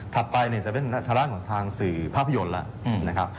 ถัดไปเนี่ยจะเป็นทะละของทางสื่อภาพยนตร์ละ